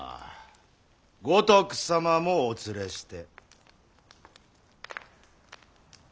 五徳様もお連れして。